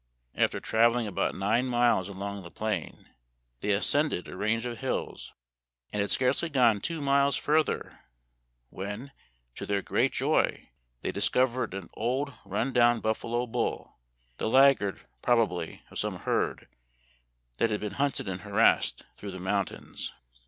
After traveling about nine miles along the plain they ascended a range of hills, and had scarcely gone two miles further when, to their great joy, they discovered an ' old run down buffalo bull/ the laggard, probably, of some herd that had been hunted and harassed through the mountains.